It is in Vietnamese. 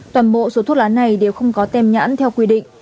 toàn bộ số thuốc lá này đều không có tem nhãn theo quy định